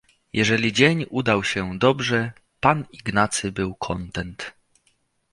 "Jeżeli dzień udał się dobrze, pan Ignacy był kontent."